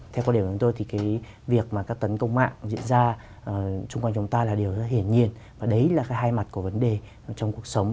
theo quan điểm của chúng tôi thì cái việc mà các tấn công mạng diễn ra chung quanh chúng ta là điều rất hiển nhiên và đấy là cái hai mặt của vấn đề trong cuộc sống